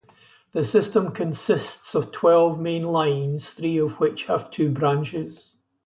The system consists of twelve main lines, three of which have two branches.